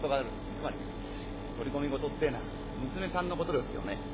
つまりね取り込み事ってえのは娘さんのことですよね。